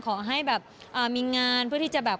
ขอให้แบบมีงานเพื่อที่จะแบบ